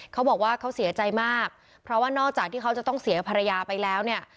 เขาบอกว่าเขาเสียใจมากเพราะว่านอกจากที่เขาจะต้องเสียภรรยาไปแล้วเนี่ย